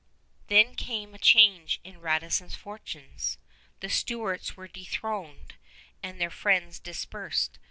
Then came a change in Radisson's fortunes. The Stuarts were dethroned and their friends dispersed.